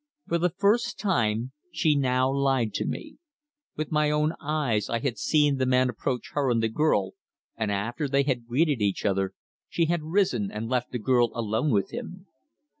For the first time she now lied to me. With my own eyes I had seen the man approach her and the girl, and after they had greeted each other, she had risen and left the girl alone with him.